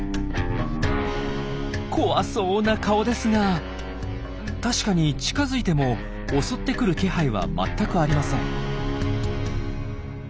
怖そうな顔ですが確かに近づいても襲ってくる気配はまったくありません。